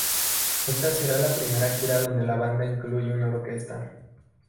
Esta será la primera gira donde la banda incluye una orquesta.